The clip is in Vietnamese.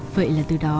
vậy là từ đó